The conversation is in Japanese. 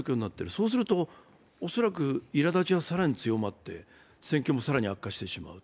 そうすると、いらだちはさらに強まって、戦況も更に悪化してしまう。